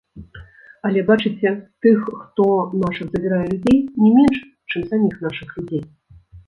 Але бачыце, тых, хто нашых забірае людзей, не менш, чым саміх нашых людзей.